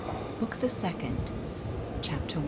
BOOK THE SECOND. CHAPTER I.